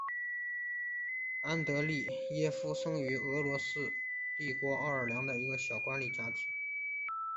安德列耶夫生于俄罗斯帝国奥廖尔的一个小官吏家庭。